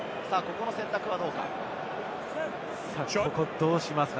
どうしますか？